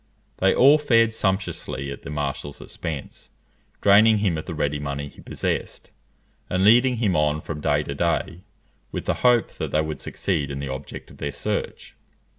They all fared sumptuously at the marshal's expense, draining him of the ready money he possessed, and leading him on from day to day with the hope that they would succeed in the object of their search.